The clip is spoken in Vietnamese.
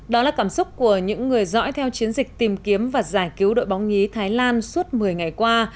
đó là cảm xúc của những người giỏi theo chiến dịch tìm kiếm và giải cứu đội bóng nhí thái lan suốt một mươi ngày qua